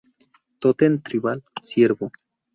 Tótem Tribal: Ciervo